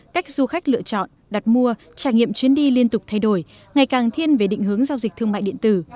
cách du khách lựa chọn đặt mua trải nghiệm chuyến đi liên tục thay đổi ngày càng thiên về định hướng giao dịch thương mại điện tử